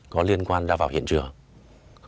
có liên quan ra vào hiện trường